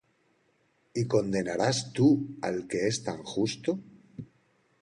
¿Y condenarás tú al que es tan justo?